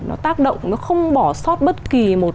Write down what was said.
nó tác động nó không bỏ sót bất kỳ